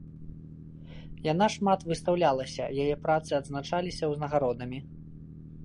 Яна шмат выстаўлялася, яе працы адзначаліся ўзнагародамі.